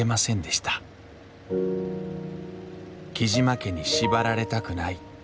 雉真家に縛られたくない。